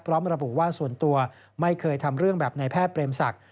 พร้อมระบุว่าส่วนตัวไม่เคยทำเรื่องแบบในแพทย์เปรมศักดิ